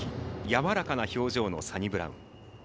やわらかな表情のサニブラウン。